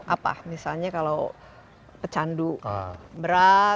apa misalnya kalau pecandu berat